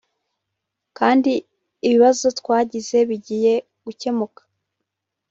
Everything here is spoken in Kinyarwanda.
kandi ibibazo twagize bigiye gukemuka